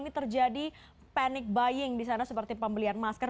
ini terjadi panic buying di sana seperti pembelian masker